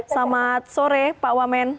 selamat sore pak wamen